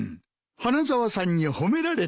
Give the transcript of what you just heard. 花沢さんに褒められた。